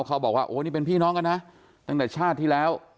เขาบอกว่าโอ้นี่เป็นพี่น้องกันนะตั้งแต่ชาติที่แล้ว